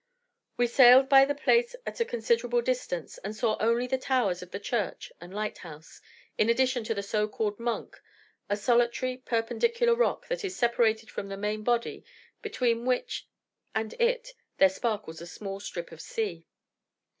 We sailed by the place at a considerable distance, and saw only the towers of the church and lighthouse, in addition to the so called "Monk," a solitary, perpendicular rock, that is separated from the main body, between which and it there sparkles a small strip of sea.